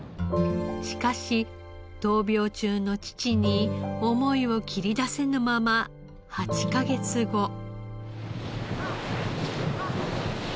しかし闘病中の父に思いを切り出せぬまま８カ月後。